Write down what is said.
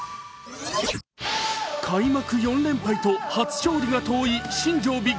開幕４連敗と初勝利が遠い新庄